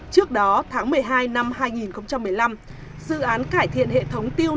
trước đó tháng một mươi hai năm hai nghìn một mươi năm dự án cải thiện hệ thống tiêu